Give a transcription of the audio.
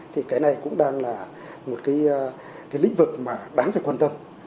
thì cái này cũng đang là một cái lĩnh vực mà đáng phải quan tâm